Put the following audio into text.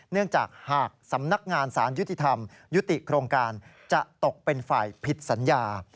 เนื่องจากหากสำนักงานสารยุติธรรมยุติโครงการจะตกเป็นฝ่ายผิดสัญญา